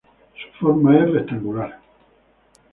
Su forma es rectangular.